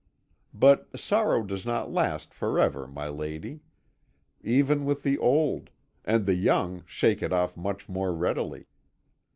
"But sorrow does not last forever, my lady, even with the old, and the young shake it off much more readily.